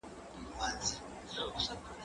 زه به سبا پاکوالي ساتم وم